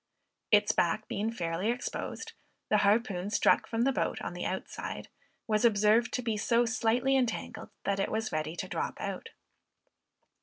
Its back being fairly exposed, the harpoon struck from the boat on the outside, was observed to be so slightly entangled, that it was ready to drop out.